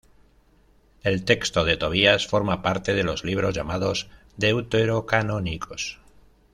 El texto de Tobías forma parte de los libros llamados deuterocanónicos.